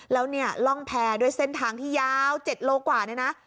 แล้วเนี่ยร่องแพรด้วยเส้นทางที่ยาว๗โลกว่าเนี่ยนะ